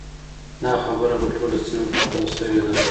دا خبره په ټوله سیمه کې خپره شوې ده.